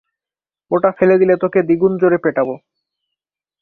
ওটা ফেলে দিলে, তোকে দ্বিগুণ জোরে পেটাবো।